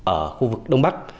ở khu vực đông bắc